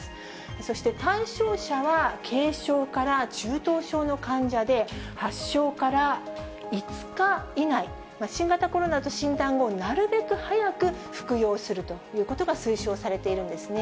そして対象者は軽症から中等症の患者で、発症から５日以内、新型コロナと診断後、なるべく早く服用するということが推奨されているんですね。